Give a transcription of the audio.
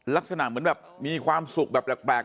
ลักษณะเหมือนแบบมีความสุขแบบแปลก